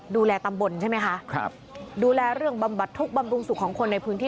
ดูแลตำบลใช่ไหมคะครับดูแลเรื่องบำบัดทุกข์บำรุงสุขของคนในพื้นที่